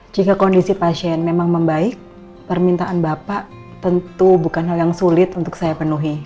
jika kondisi pasien memang membaik permintaan bapak tentu bukan hal yang sulit untuk saya penuhi